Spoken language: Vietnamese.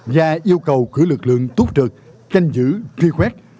và yêu cầu cử lực lượng túc trực canh giữ khuyên khuét